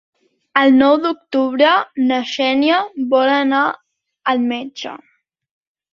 El nou d'octubre na Xènia vol anar al metge.